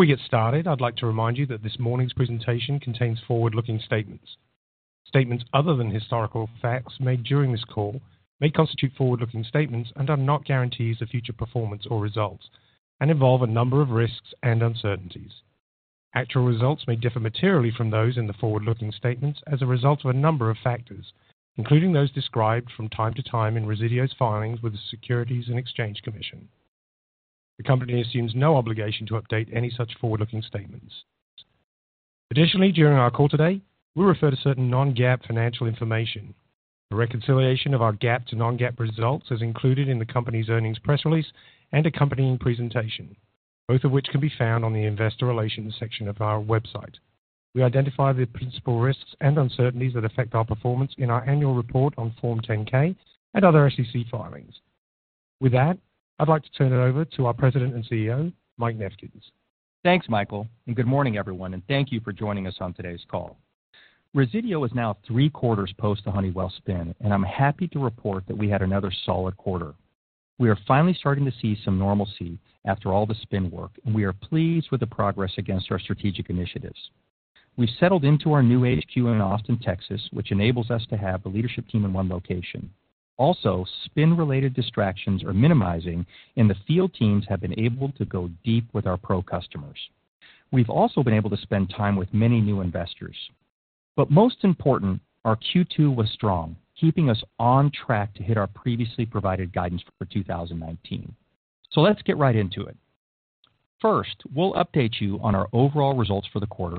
Before we get started, I'd like to remind you that this morning's presentation contains forward-looking statements. Statements other than historical facts made during this call may constitute forward-looking statements and are not guarantees of future performance or results, and involve a number of risks and uncertainties. Actual results may differ materially from those in the forward-looking statements as a result of a number of factors, including those described from time to time in Resideo's filings with the Securities and Exchange Commission. The company assumes no obligation to update any such forward-looking statements. Additionally, during our call today, we refer to certain non-GAAP financial information. A reconciliation of our GAAP to non-GAAP results is included in the company's earnings press release and accompanying presentation, both of which can be found on the investor relations section of our website. We identify the principal risks and uncertainties that affect our performance in our annual report on Form 10-K and other SEC filings. With that, I'd like to turn it over to our President and CEO, Mike Nefkens. Thanks, Michael, good morning, everyone, and thank you for joining us on today's call. Resideo is now three quarters post the Honeywell spin, and I am happy to report that we had another solid quarter. We are finally starting to see some normalcy after all the spin work, and we are pleased with the progress against our strategic initiatives. We have settled into our new HQ in Austin, Texas, which enables us to have the leadership team in one location. Also, spin-related distractions are minimizing, and the field teams have been able to go deep with our pro customers. We have also been able to spend time with many new investors. Most important, our Q2 was strong, keeping us on track to hit our previously provided guidance for 2019. Let's get right into it. First, we'll update you on our overall results for the quarter,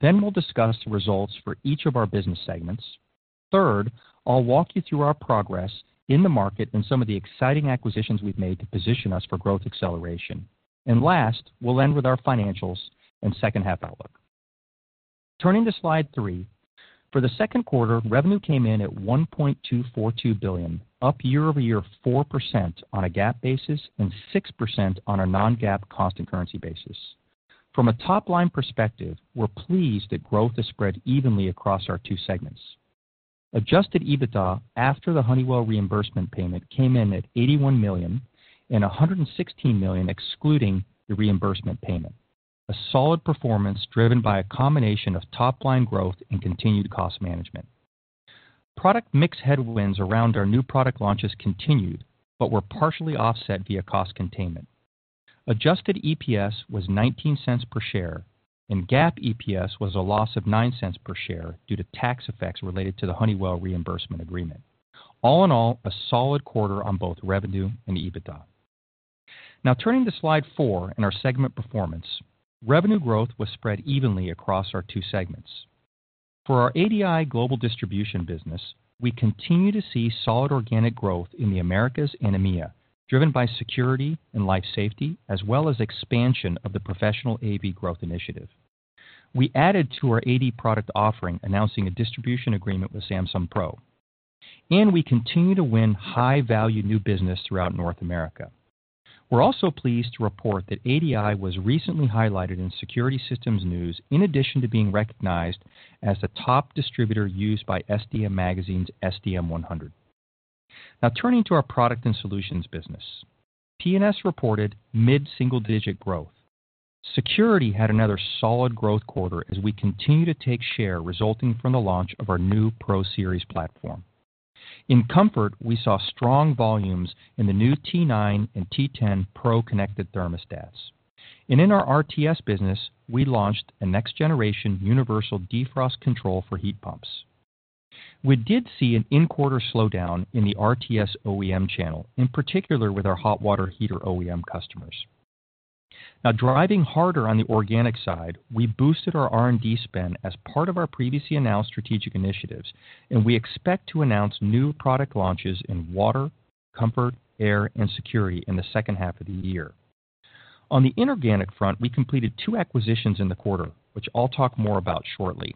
then we'll discuss the results for each of our business segments. Third, I'll walk you through our progress in the market and some of the exciting acquisitions we've made to position us for growth acceleration. Last, we'll end with our financials and second half outlook. Turning to slide three, for the second quarter, revenue came in at $1.242 billion, up year-over-year 4% on a GAAP basis and 6% on a non-GAAP constant currency basis. From a top-line perspective, we're pleased that growth is spread evenly across our two segments. Adjusted EBITDA after the Honeywell reimbursement payment came in at $81 million and $116 million excluding the reimbursement payment, a solid performance driven by a combination of top-line growth and continued cost management. Product mix headwinds around our new product launches continued but were partially offset via cost containment. Adjusted EPS was $0.19 per share, and GAAP EPS was a loss of $0.09 per share due to tax effects related to the Honeywell reimbursement agreement. All in all, a solid quarter on both revenue and EBITDA. Turning to slide four and our segment performance. Revenue growth was spread evenly across our two segments. For our ADI Global Distribution business, we continue to see solid organic growth in the Americas and EMEA, driven by security and life safety, as well as expansion of the professional AV growth initiative. We added to our ADI product offering, announcing a distribution agreement with Samsung Pro, we continue to win high-value new business throughout North America. We're also pleased to report that ADI was recently highlighted in Security Systems News, in addition to being recognized as the top distributor used by SDM Magazine's SDM 100. Turning to our Products & Solutions business. P&S reported mid-single-digit growth. Security had another solid growth quarter as we continue to take share resulting from the launch of our new ProSeries platform. In comfort, we saw strong volumes in the new T9 and T10 pro-connected thermostats. In our RTS business, we launched a next-generation universal defrost control for heat pumps. We did see an in-quarter slowdown in the RTS OEM channel, in particular with our hot water heater OEM customers. Now driving harder on the organic side, we boosted our R&D spend as part of our previously announced strategic initiatives. We expect to announce new product launches in water, comfort, air, and security in the second half of the year. On the inorganic front, we completed two acquisitions in the quarter, which I'll talk more about shortly.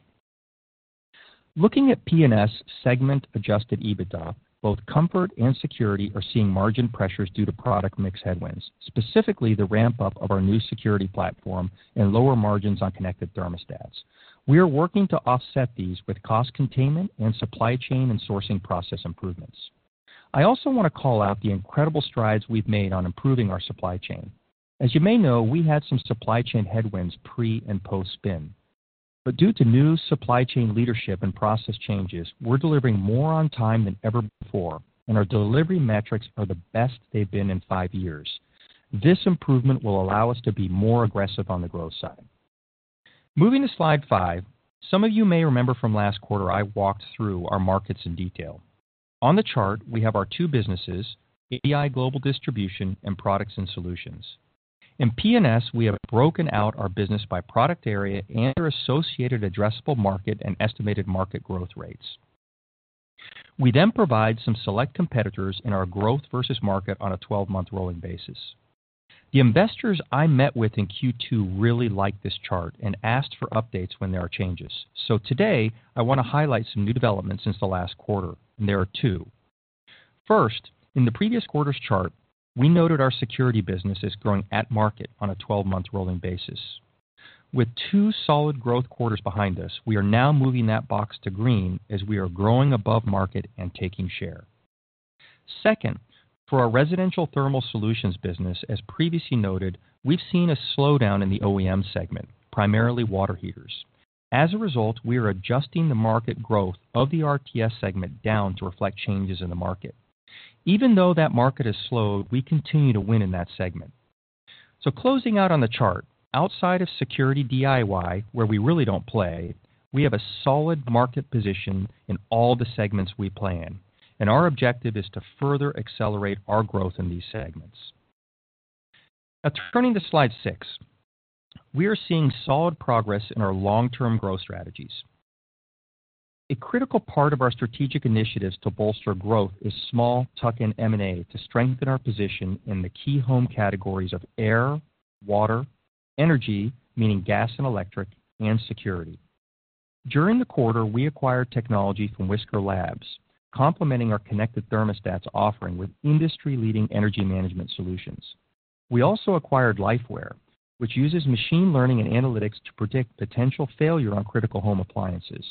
Looking at P&S segment adjusted EBITDA, both comfort and security are seeing margin pressures due to product mix headwinds, specifically the ramp-up of our new security platform and lower margins on connected thermostats. We are working to offset these with cost containment and supply chain and sourcing process improvements. I also want to call out the incredible strides we've made on improving our supply chain. As you may know, we had some supply chain headwinds pre and post-spin. Due to new supply chain leadership and process changes, we're delivering more on time than ever before, and our delivery metrics are the best they've been in five years. This improvement will allow us to be more aggressive on the growth side. Moving to slide five. Some of you may remember from last quarter, I walked through our markets in detail. On the chart, we have our two businesses, ADI Global Distribution and Products & Solutions. In P&S, we have broken out our business by product area and their associated addressable market and estimated market growth rates. We provide some select competitors in our growth versus market on a 12-month rolling basis. The investors I met with in Q2 really liked this chart and asked for updates when there are changes. Today, I want to highlight some new developments since the last quarter, and there are two. First, in the previous quarter's chart, we noted our security business is growing at market on a 12-month rolling basis. With two solid growth quarters behind us, we are now moving that box to green as we are growing above market and taking share. Second, for our Residential Thermal Solutions business, as previously noted, we've seen a slowdown in the OEM segment, primarily water heaters. As a result, we are adjusting the market growth of the RTS segment down to reflect changes in the market. Even though that market has slowed, we continue to win in that segment. Closing out on the chart, outside of security DIY, where we really don't play, we have a solid market position in all the segments we play in, and our objective is to further accelerate our growth in these segments. Turning to slide six, we are seeing solid progress in our long-term growth strategies. A critical part of our strategic initiatives to bolster growth is small tuck-in M&A to strengthen our position in the key home categories of air, water, energy, meaning gas and electric, and security. During the quarter, we acquired technology from Whisker Labs, complementing our connected thermostats offering with industry-leading energy management solutions. We also acquired LifeWhere, which uses machine learning and analytics to predict potential failure on critical home appliances.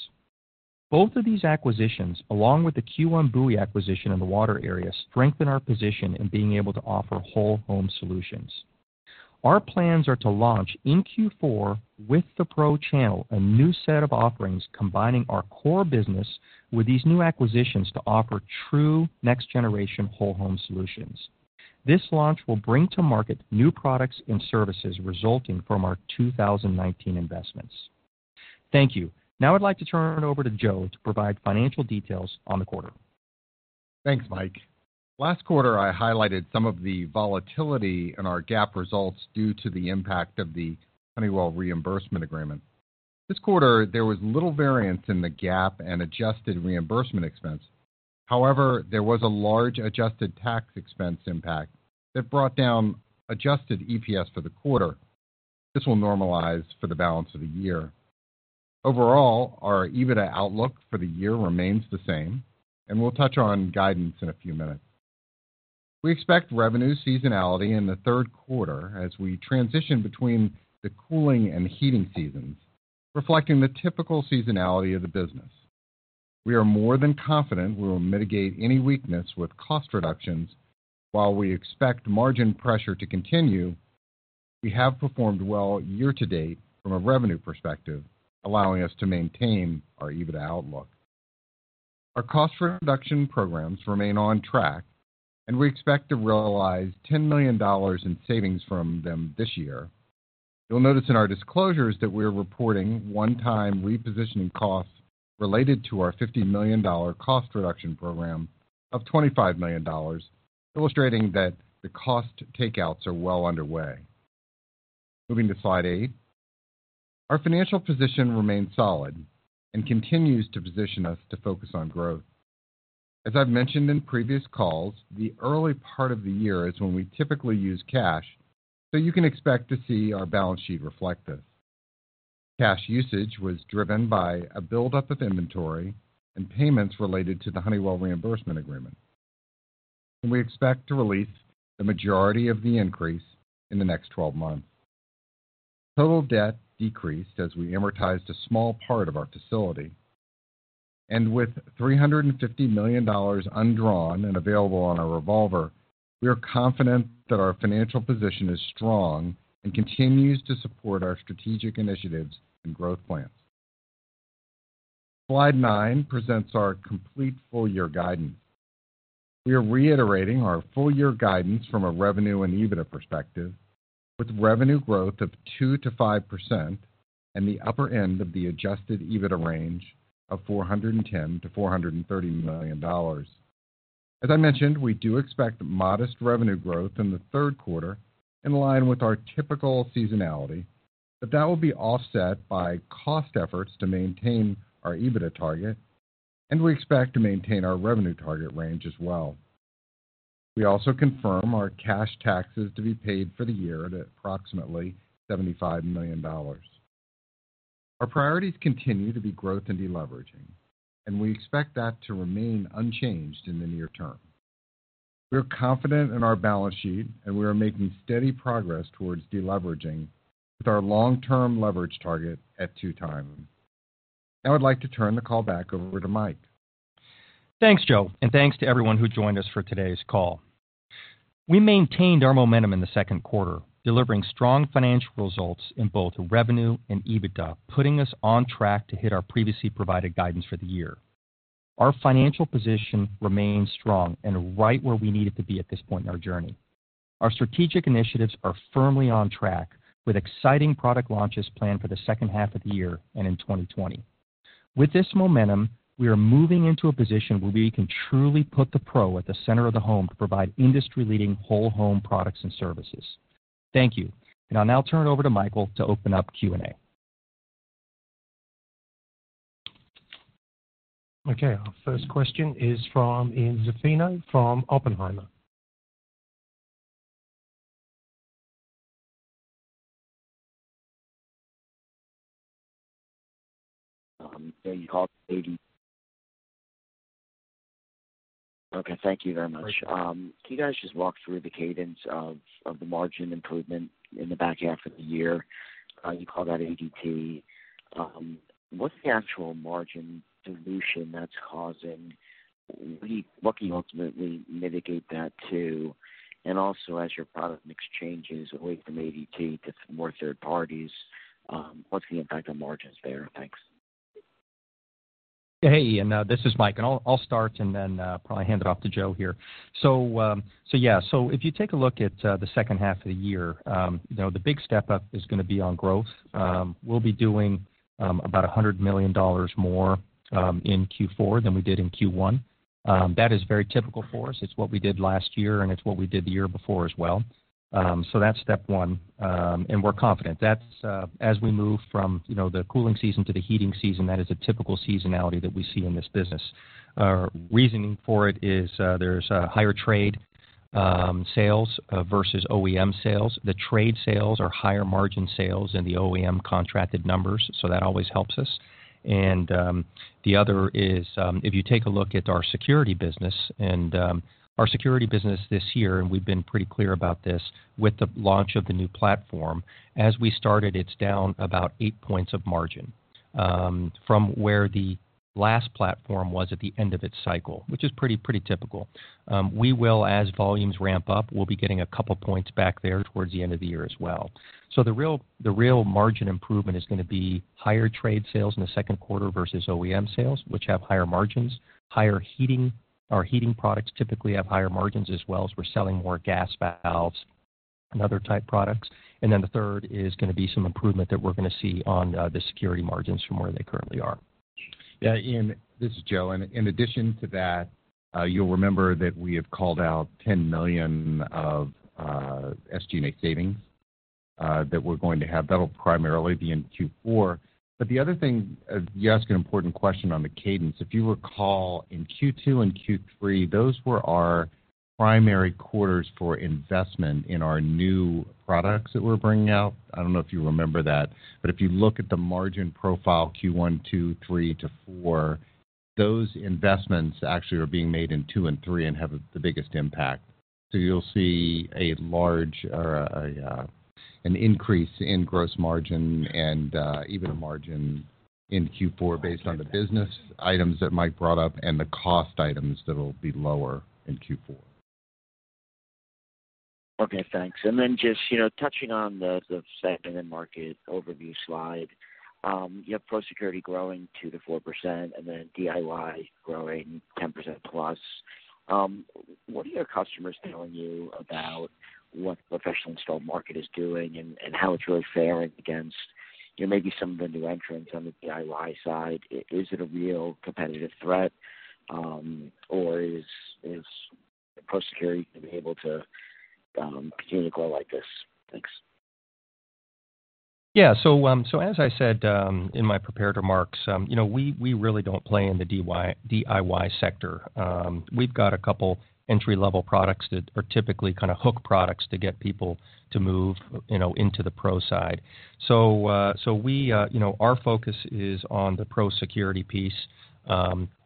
Both of these acquisitions, along with the Q1 Buoy acquisition in the water area, strengthen our position in being able to offer whole home solutions. Our plans are to launch in Q4 with the Pro channel, a new set of offerings combining our core business with these new acquisitions to offer true next generation whole home solutions. This launch will bring to market new products and services resulting from our 2019 investments. Thank you. I'd like to turn it over to Joe to provide financial details on the quarter. Thanks, Mike. Last quarter I highlighted some of the volatility in our GAAP results due to the impact of the Honeywell reimbursement agreement. This quarter, there was little variance in the GAAP and adjusted reimbursement expense. There was a large adjusted tax expense impact that brought down adjusted EPS for the quarter. This will normalize for the balance of the year. Our EBITDA outlook for the year remains the same, and we'll touch on guidance in a few minutes. We expect revenue seasonality in the third quarter as we transition between the cooling and heating seasons, reflecting the typical seasonality of the business. We are more than confident we will mitigate any weakness with cost reductions. We expect margin pressure to continue, we have performed well year to date from a revenue perspective, allowing us to maintain our EBITDA outlook. Our cost reduction programs remain on track, and we expect to realize $10 million in savings from them this year. You'll notice in our disclosures that we're reporting one-time repositioning costs related to our $50 million cost reduction program of $25 million, illustrating that the cost takeouts are well underway. Moving to slide eight. Our financial position remains solid and continues to position us to focus on growth. As I've mentioned in previous calls, the early part of the year is when we typically use cash, so you can expect to see our balance sheet reflect this. Cash usage was driven by a buildup of inventory and payments related to the Honeywell reimbursement agreement. We expect to release the majority of the increase in the next 12 months. Total debt decreased as we amortized a small part of our facility. With $350 million undrawn and available on our revolver, we are confident that our financial position is strong and continues to support our strategic initiatives and growth plans. Slide nine presents our complete full year guidance. We are reiterating our full year guidance from a revenue and EBITDA perspective, with revenue growth of 2%-5% and the upper end of the adjusted EBITDA range of $410 million-$430 million. As I mentioned, we do expect modest revenue growth in the third quarter in line with our typical seasonality, but that will be offset by cost efforts to maintain our EBITDA target, and we expect to maintain our revenue target range as well. We also confirm our cash taxes to be paid for the year at approximately $75 million. Our priorities continue to be growth and deleveraging, and we expect that to remain unchanged in the near term. We are confident in our balance sheet, and we are making steady progress towards deleveraging with our long-term leverage target at two times. Now I would like to turn the call back over to Mike. Thanks, Joe. Thanks to everyone who joined us for today's call. We maintained our momentum in the second quarter, delivering strong financial results in both revenue and EBITDA, putting us on track to hit our previously provided guidance for the year. Our financial position remains strong and right where we need it to be at this point in our journey. Our strategic initiatives are firmly on track with exciting product launches planned for the second half of the year and in 2020. With this momentum, we are moving into a position where we can truly put the pro at the center of the home to provide industry-leading whole home products and services. Thank you. I'll now turn it over to Michael to open up Q&A. Okay. Our first question is from Ian Zaffino from Oppenheimer. You called 80. Okay. Thank you very much. Great. Can you guys just walk through the cadence of the margin improvement in the back half of the year. You call that ADT. What's the actual margin dilution that's causing? What can you ultimately mitigate that to? Also, as your product mix changes away from ADT to some more third parties, what's the impact on margins there? Thanks. Hey, Ian, this is Mike, and I'll start and then probably hand it off to Joe here. If you take a look at the second half of the year, the big step up is going to be on growth. We'll be doing about $100 million more in Q4 than we did in Q1. That is very typical for us. It's what we did last year, and it's what we did the year before as well. That's step one, and we're confident. As we move from the cooling season to the heating season, that is a typical seasonality that we see in this business. Our reasoning for it is there's higher trade sales versus OEM sales. The trade sales are higher margin sales than the OEM contracted numbers, so that always helps us. The other is, if you take a look at our security business, and our security business this year, and we've been pretty clear about this, with the launch of the new platform, as we started, it's down about eight points of margin from where the last platform was at the end of its cycle, which is pretty typical. We will, as volumes ramp up, we'll be getting a couple points back there towards the end of the year as well. The real margin improvement is going to be higher trade sales in the second quarter versus OEM sales, which have higher margins. Higher heating. Our heating products typically have higher margins as well, as we're selling more gas valves and other type products. Then the third is going to be some improvement that we're going to see on the security margins from where they currently are. Ian, this is Joe, and in addition to that, you'll remember that we have called out $10 million of SG&A savings that we're going to have. That'll primarily be in Q4. The other thing, you ask an important question on the cadence. If you recall, in Q2 and Q3, those were our primary quarters for investment in our new products that we're bringing out. I don't know if you remember that, but if you look at the margin profile, Q1, 2, 3 to 4, those investments actually are being made in 2 and 3 and have the biggest impact. You'll see an increase in gross margin and even a margin in Q4 based on the business items that Mike brought up and the cost items that'll be lower in Q4. Okay, thanks. Just touching on the segment and market overview slide. You have pro security growing 2%-4% and then DIY growing 10%+. What are your customers telling you about what the professional install market is doing and how it's really faring against maybe some of the new entrants on the DIY side? Is it a real competitive threat? Or is pro security going to be able to continue to grow like this? Thanks. As I said in my prepared remarks, we really don't play in the DIY sector. We've got a couple entry level products that are typically kind of hook products to get people to move into the pro side. Our focus is on the pro security piece.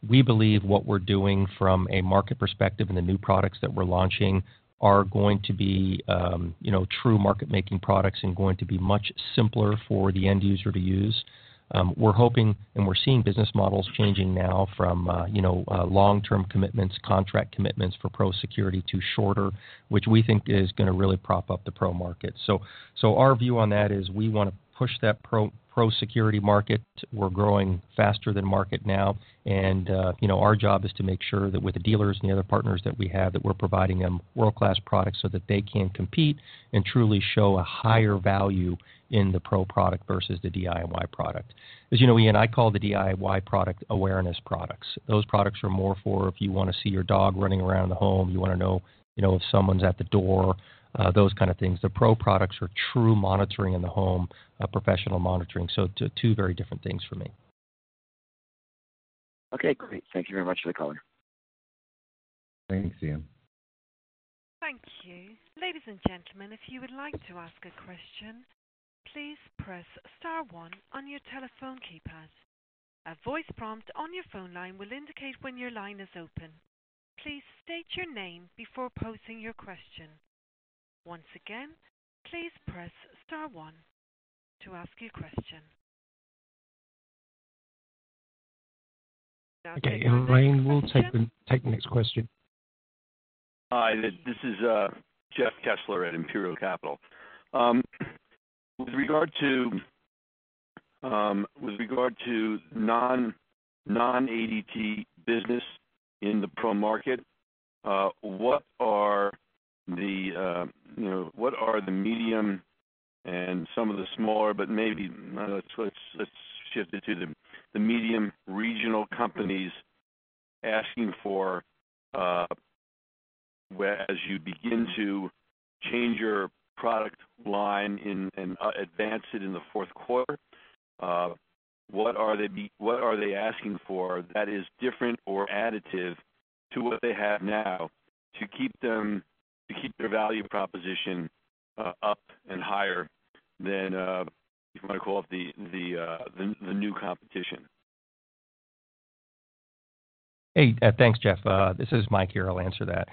We believe what we're doing from a market perspective and the new products that we're launching are going to be true market making products and going to be much simpler for the end user to use. We're hoping and we're seeing business models changing now from long-term commitments, contract commitments for pro security to shorter, which we think is going to really prop up the pro market. Our view on that is we want to push that pro security market. We're growing faster than market now, and our job is to make sure that with the dealers and the other partners that we have, that we're providing them world-class products so that they can compete and truly show a higher value in the pro product versus the DIY product. As you know, Ian, I call the DIY product awareness products. Those products are more for if you want to see your dog running around the home, you want to know if someone's at the door, those kind of things. The pro products are true monitoring in the home, professional monitoring. Two very different things for me. Okay, great. Thank you very much for the color. Thanks, Ian. Thank you. Ladies and gentlemen, if you would like to ask a question, please press star one on your telephone keypad. A voice prompt on your phone line will indicate when your line is open. Please state your name before posing your question. Once again, please press star one to ask your question. Okay, Ragan, we'll take the next question. Hi, this is Jeff Kessler at Imperial Capital. With regard to non-ADT business in the pro market, what are the medium and some of the smaller, but maybe let's shift it to the medium regional companies asking for, as you begin to change your product line and advance it in the fourth quarter, what are they asking for that is different or additive to what they have now to keep their value proposition up and higher than, if you want to call it the new competition? Hey, thanks, Jeff. This is Mike here, I'll answer that.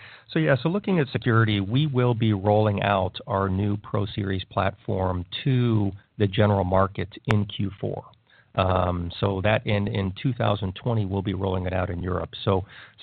Looking at security, we will be rolling out our new ProSeries platform to the general market in Q4. That in 2020, we'll be rolling it out in Europe.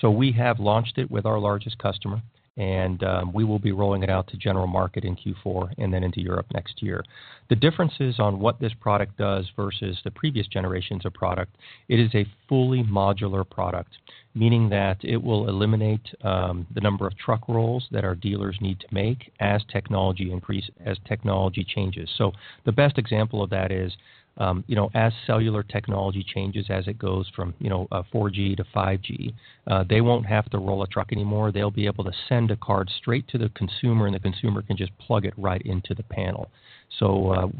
We have launched it with our largest customer, and we will be rolling it out to general market in Q4 and then into Europe next year. The differences on what this product does versus the previous generations of product, it is a fully modular product, meaning that it will eliminate the number of truck rolls that our dealers need to make as technology changes. The best example of that is, as cellular technology changes, as it goes from 4G to 5G, they won't have to roll a truck anymore. They'll be able to send a card straight to the consumer, and the consumer can just plug it right into the panel.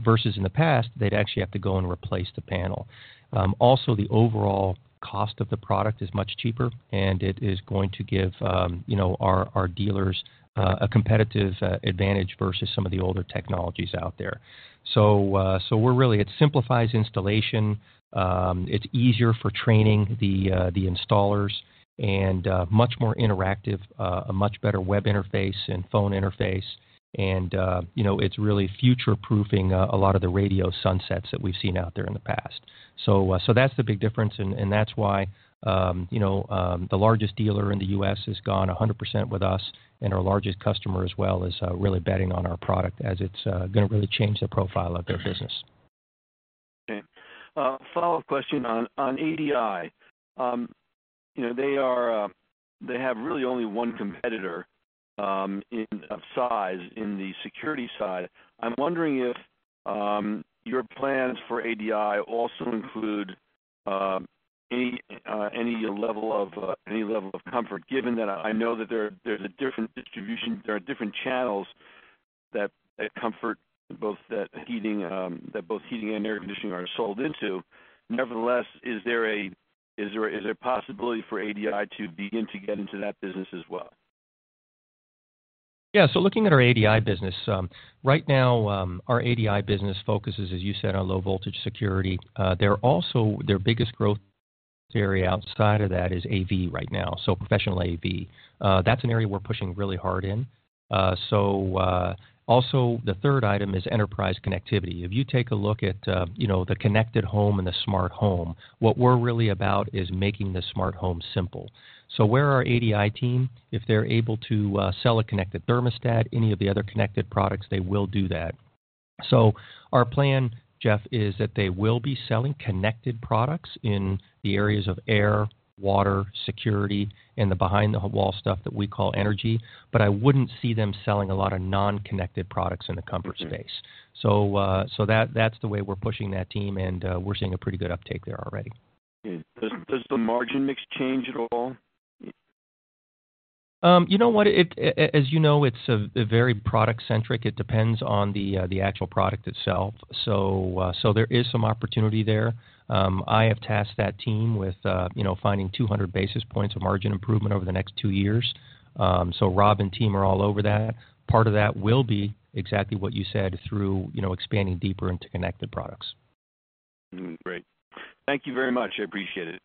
Versus in the past, they'd actually have to go and replace the panel. The overall cost of the product is much cheaper, and it is going to give our dealers a competitive advantage versus some of the older technologies out there. It simplifies installation, it's easier for training the installers and much more interactive, a much better web interface and phone interface and it's really future-proofing a lot of the radio sunsets that we've seen out there in the past. That's the big difference, and that's why the largest dealer in the U.S. has gone 100% with us and our largest customer as well is really betting on our product as it's going to really change the profile of their business. A follow-up question on ADI. They have really only one competitor of size in the security side. I'm wondering if your plans for ADI also include any level of comfort given that I know that there are different channels that comfort both heating and air conditioning are sold into. Is there a possibility for ADI to begin to get into that business as well? Yeah. Looking at our ADI business. Right now, our ADI business focuses, as you said, on low voltage security. Their biggest growth area outside of that is AV right now, so professional AV. That's an area we're pushing really hard in. Also, the third item is enterprise connectivity. If you take a look at the connected home and the smart home, what we're really about is making the smart home simple. Where our ADI team, if they're able to sell a connected thermostat, any of the other connected products, they will do that. Our plan, Jeff, is that they will be selling connected products in the areas of air, water, security, and the behind the wall stuff that we call energy. I wouldn't see them selling a lot of non-connected products in the comfort space. That's the way we're pushing that team, and we're seeing a pretty good uptake there already. Does the margin mix change at all? You know what? As you know, it's very product centric. It depends on the actual product itself. There is some opportunity there. I have tasked that team with finding 200 basis points of margin improvement over the next two years. Rob and team are all over that. Part of that will be exactly what you said through expanding deeper into connected products. Great. Thank you very much. I appreciate it.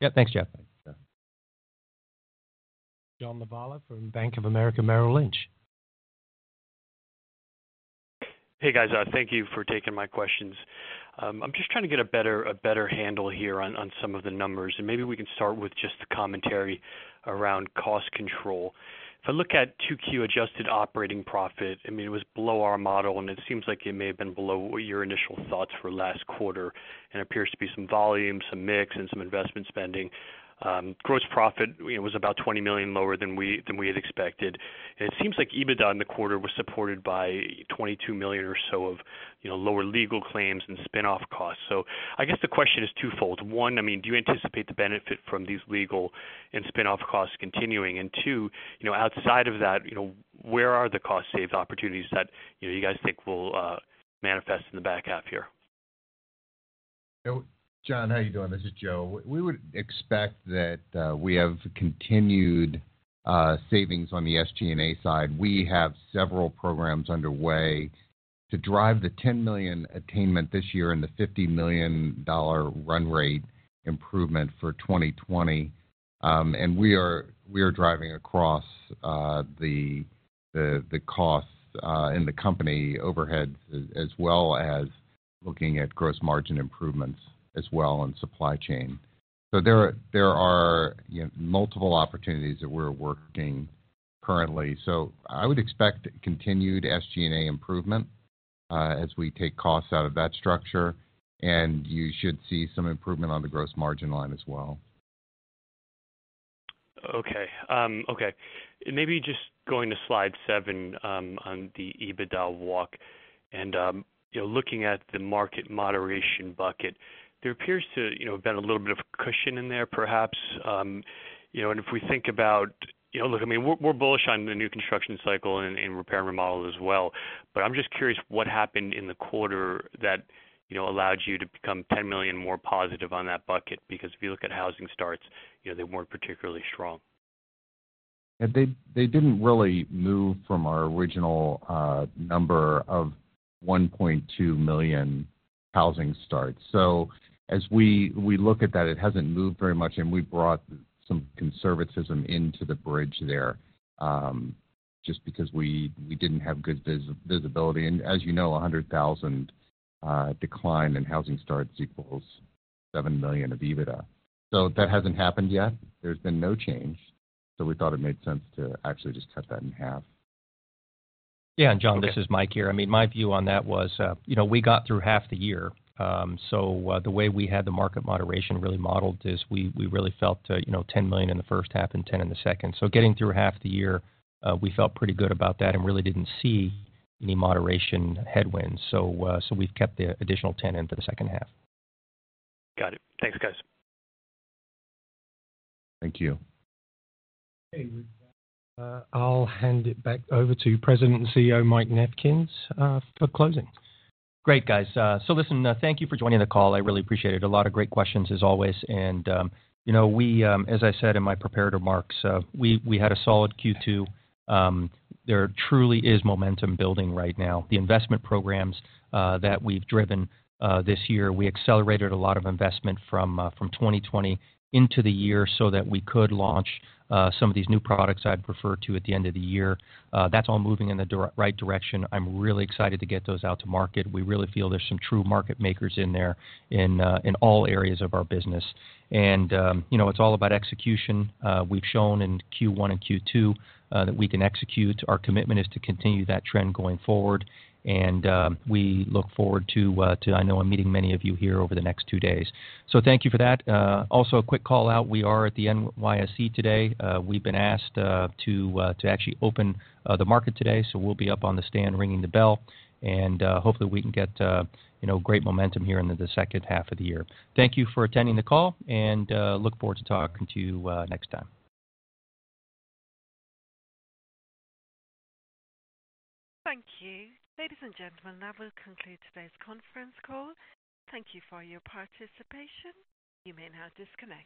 Yeah. Thanks, Jeff. John Lovallo from Bank of America Merrill Lynch. Hey, guys. Thank you for taking my questions. I'm just trying to get a better handle here on some of the numbers. Maybe we can start with just the commentary around cost control. If I look at 2Q adjusted operating profit, it was below our model. It seems like it may have been below your initial thoughts for last quarter. Appears to be some volume, some mix, and some investment spending. Gross profit, it was about $20 million lower than we had expected. It seems like EBITDA in the quarter was supported by $22 million or so of lower legal claims and spin-off costs. I guess the question is twofold. One, do you anticipate the benefit from these legal and spin-off costs continuing? Two, outside of that, where are the cost saves opportunities that you guys think will manifest in the back half here? John, how are you doing? This is Joe. We would expect that we have continued savings on the SG&A side. We have several programs underway to drive the $10 million attainment this year and the $50 million run rate improvement for 2020. We are driving across the costs in the company overhead, as well as looking at gross margin improvements as well in supply chain. There are multiple opportunities that we're working currently. I would expect continued SG&A improvement as we take costs out of that structure, and you should see some improvement on the gross margin line as well. Okay. Maybe just going to slide seven on the EBITDA walk and looking at the market moderation bucket. There appears to have been a little bit of cushion in there, perhaps. If we look, we're bullish on the new construction cycle and repair and remodel as well. I'm just curious what happened in the quarter that allowed you to become $10 million more positive on that bucket, because if you look at housing starts, they weren't particularly strong. They didn't really move from our original number of 1.2 million housing starts. As we look at that, it hasn't moved very much, and we brought some conservatism into the bridge there, just because we didn't have good visibility. As you know, 100,000 decline in housing starts equals $7 million of EBITDA. That hasn't happened yet. There's been no change. We thought it made sense to actually just cut that in half. Yeah. John, this is Mike here. My view on that was, we got through half the year. The way we had the market moderation really modeled is we really felt $10 million in the first half and $10 in the second. Getting through half the year, we felt pretty good about that and really didn't see any moderation headwinds. We've kept the additional $10 into the second half. Got it. Thanks, guys. Thank you. Okay. With that, I'll hand it back over to President and CEO, Mike Nefkens, for closing. Great, guys. Listen, thank you for joining the call. I really appreciate it. A lot of great questions as always. As I said in my prepared remarks, we had a solid Q2. There truly is momentum building right now. The investment programs that we've driven this year, we accelerated a lot of investment from 2020 into the year so that we could launch some of these new products I'd refer to at the end of the year. That's all moving in the right direction. I'm really excited to get those out to market. We really feel there's some true market makers in there in all areas of our business. It's all about execution. We've shown in Q1 and Q2 that we can execute. Our commitment is to continue that trend going forward. We look forward to, I know I'm meeting many of you here over the next two days. Thank you for that. Also a quick call-out. We are at the NYSE today. We've been asked to actually open the market today, so we'll be up on the stand ringing the bell, and hopefully we can get great momentum here into the second half of the year. Thank you for attending the call, and look forward to talking to you next time. Thank you. Ladies and gentlemen, that will conclude today's conference call. Thank you for your participation. You may now disconnect.